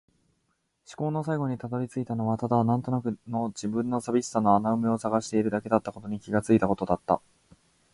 思考の最後に辿り着いたのはただ、なんとなくの自分の寂しさの穴埋めを探しているだけだったことに気がついたことだった。